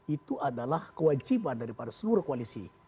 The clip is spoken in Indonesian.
itu adalah kewajiban daripada seluruh koalisi